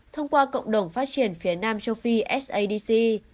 thông qua cộng đồng phát triển phía nam châu phi sadc